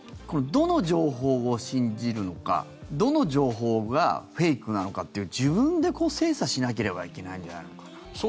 どの情報を信じるのかどの情報がフェイクなのかっていう自分で精査しなければいけないんじゃないのかなと。